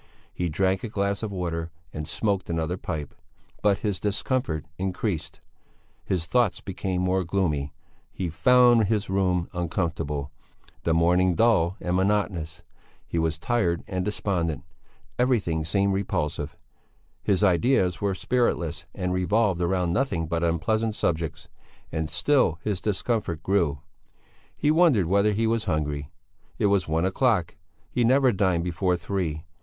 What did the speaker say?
He drank a glass of water and smoked another pipe. But his discomfort increased. His thoughts became more gloomy; he found his room uncomfortable, the morning dull and monotonous; he was tired and despondent; everything seemed repulsive; his ideas were spiritless and revolved round nothing but unpleasant subjects; and still his discomfort grew. He wondered whether he was hungry? It was one o'clock. He never dined before three.